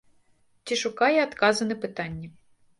Ці шукае адказы на пытанні.